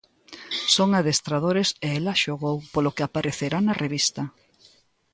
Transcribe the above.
Son adestradores e ela xogou polo que aparecerá na revista.